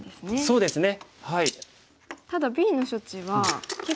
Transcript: そうですね。